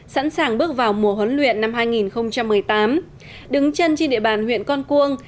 sẵn sàng bước vào mùa huấn luyện năm hai nghìn một mươi tám đứng chân trên địa bàn huyện con cuông